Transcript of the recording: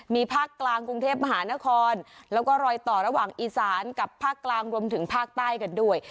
มีภาคกลางกรุงเทพมหานครแล้วก็รอยต่อระหว่างอีสานกับภาคกลางรวมถึงภาคใต้กันด้วย